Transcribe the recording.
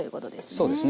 そうですね。